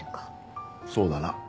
そうだな。